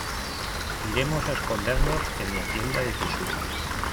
iremos a escondernos en mi Hacienda de Tixul.